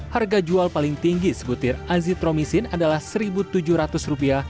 harga jual paling tinggi sebutir azitromisin adalah rp satu tujuh ratus